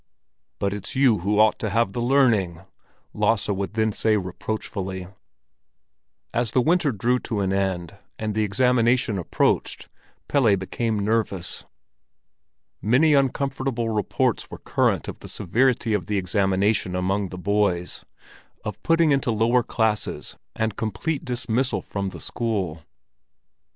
"But it's you who ought to have the learning," Lasse would then say reproachfully. As the winter drew to an end, and the examination approached, Pelle became nervous. Many uncomfortable reports were current of the severity of the examination among the boys—of putting into lower classes and complete dismissal from the school.